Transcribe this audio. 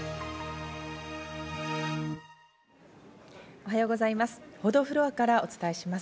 おはようございます。